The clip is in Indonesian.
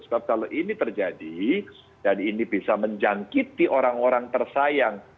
sebab kalau ini terjadi dan ini bisa menjangkiti orang orang tersayang